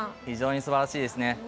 非常にすばらしいですね。